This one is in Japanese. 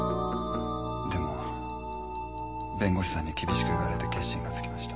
でも弁護士さんに厳しく言われて決心がつきました。